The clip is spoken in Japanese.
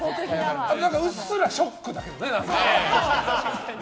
うっすらショックだけどね。